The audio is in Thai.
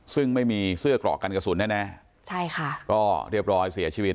ซึ่งไม่มีเสื้อกรอกกันกระสุนแน่แน่ใช่ค่ะก็เรียบร้อยเสียชีวิต